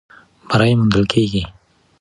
بری موندل کېږي.